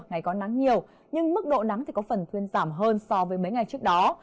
ngày có nắng nhiều nhưng mức độ nắng thì có phần thuyên giảm hơn so với mấy ngày trước đó